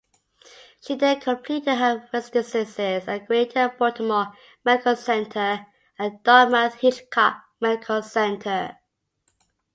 She then completed her Residencies at Greater Baltimore Medical Center and Dartmouth–Hitchcock Medical Center.